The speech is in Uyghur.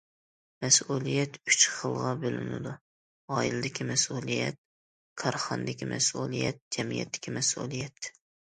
مەسئۇلىيەت ئۈچ خىلغا بۆلۈنىدۇ: ئائىلىدىكى مەسئۇلىيەت، كارخانىدىكى مەسئۇلىيەت، جەمئىيەتتىكى مەسئۇلىيەت.